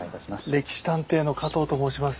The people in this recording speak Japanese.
「歴史探偵」の加藤と申します。